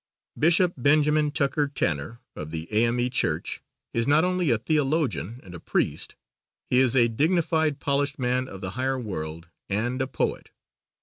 Bishop Benj. Tucker Tanner, of the A.M.E. Church, is not only a theologian and a priest, he is a dignified, polished man of the higher world and a poet.